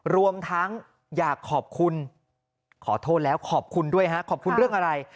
รวมทั้งอยากขอบคุณขอโทษแล้วขอบคุณด้วยฮะขอบคุณเรื่องอะไร